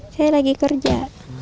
saya lagi kerja